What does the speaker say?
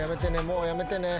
もうやめてね。